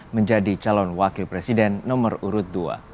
menjadi calon wakil presiden nomor urut dua